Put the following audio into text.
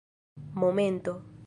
momento